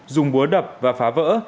dùng búa đập và phá vỡ